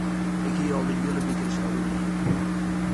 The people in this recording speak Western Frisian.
Ik hie al de hiele wike deselde dream.